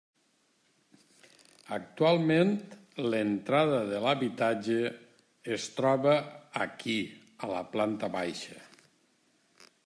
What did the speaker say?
Actualment l'entrada de l'habitatge es troba aquí, a la planta baixa.